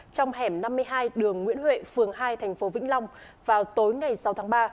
trong hẻm năm mươi hai đường nguyễn huệ phường hai thành phố vĩnh long vào tối ngày sáu tháng ba